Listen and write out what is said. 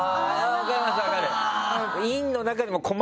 分かります分かる！